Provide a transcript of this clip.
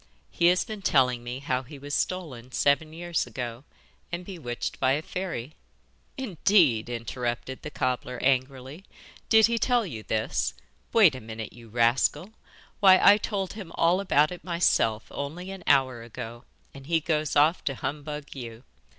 He has been telling me how he was stolen seven years ago, and bewitched by a fairy.' 'Indeed!' interrupted the cobbler angrily. 'Did he tell you this? Wait a minute, you rascal! Why I told him all about it myself only an hour ago, and then he goes off to humbug you.